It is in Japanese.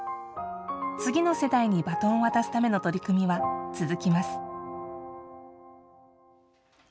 次の世代にバトンを渡すための取り組みは続きます。